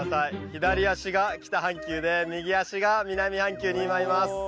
左足が北半球で右足が南半球に今います